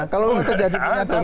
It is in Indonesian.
kalau tidak terjadi penyatapan